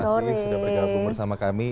terima kasih sudah bergabung bersama kami